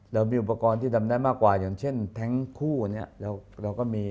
เรามีอุปกรณ์ที่ทำได้มากกว่าอย่างเช่นแง๊งคู่เราก็มี